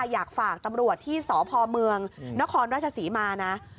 อยากฝากตำรวจที่สพเมืองนครราชศรีมานะ